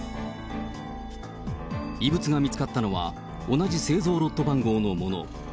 異物が見つかったのは、同じ製造ロット番号のもの。